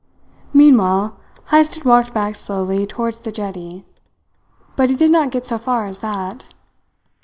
Meanwhile Heyst had walked back slowly towards the jetty; but he did not get so far as that.